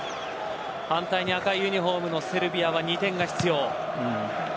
反対の赤いユニホームのセルビアは２点が必要。